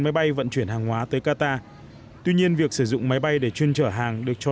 máy bay vận chuyển hàng hóa tới qatar tuy nhiên việc sử dụng máy bay để chuyên trở hàng được cho